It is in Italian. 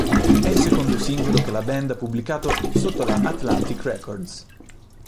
È il secondo singolo che la band ha pubblicato sotto la Atlantic Records.